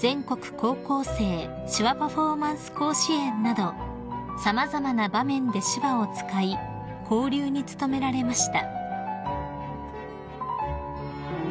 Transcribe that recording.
高校生手話パフォーマンス甲子園など様々な場面で手話を使い交流に努められました］